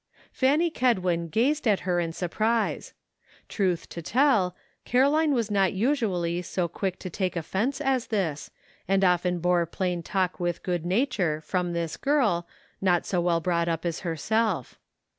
Fanny Kedwin gazed at her in surprise. Truth to tell, Caroline was not usually so quick to take offense as this, and often bore plain talk with good nature from this girl, not so well brought up as herself.